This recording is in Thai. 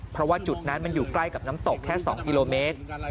เพราะว่าจุดนั้นมันอยู่ใกล้กับน้ำตกแค่๒กิโลเมตร